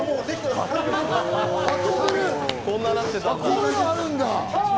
こういうのあるんだ。